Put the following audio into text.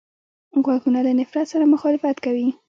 غوږونه له نفرت سره مخالفت کوي